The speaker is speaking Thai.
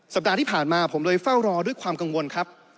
สัปดาห์ที่ผ่านมาผมเลยเฝ้ารอด้วยความกังวลครับ